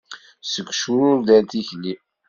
Seg ucrured ar tikli.